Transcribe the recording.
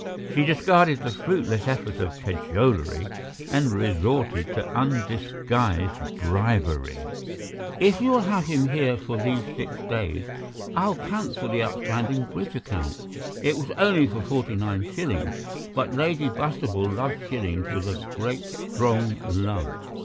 She discarded the fruitless effort at cajolery and resorted to undisguised bribery. "If you'll have him here for these six days I'll cancel that outstanding bridge account." It was only for forty nine shillings, but Lady Bastable loved shillings with a great, strong love.